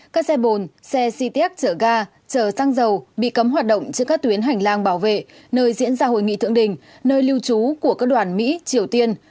các xe bồn xe c tiếp chở ga chở xăng dầu bị cấm hoạt động trên các tuyến hành lang bảo vệ nơi diễn ra hội nghị thượng đỉnh nơi lưu trú của các đoàn mỹ triều tiên